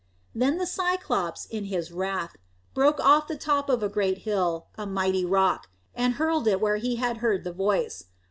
Then the Cylops, in his wrath, broke off the top of a great hill, a mighty rock, and hurled it where he had heard the voice.